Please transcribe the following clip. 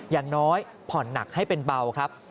อย่างน้อยผ่อนหนักให้เป็นเบาครับ